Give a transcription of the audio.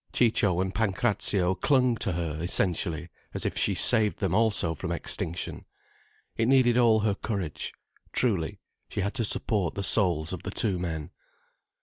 Ciccio and Pancrazio clung to her, essentially, as if she saved them also from extinction. It needed all her courage. Truly, she had to support the souls of the two men.